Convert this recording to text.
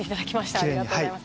ありがとうございます。